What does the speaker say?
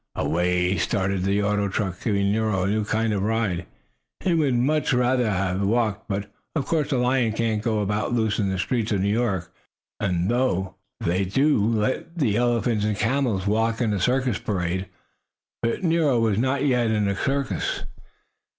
Away started the auto truck, giving Nero a new kind of ride. He would much rather have walked, but of course a lion can't go about loose in the streets of New York, though they do let the elephants and camels walk in a circus parade. But Nero was not yet in a circus.